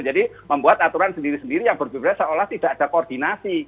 jadi membuat aturan sendiri sendiri yang berbeda seolah tidak ada koordinasi